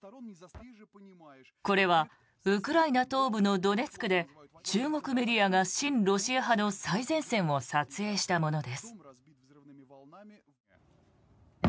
これはウクライナ東部のドネツクで中国メディアが親ロシア派の最前線を撮影したものです。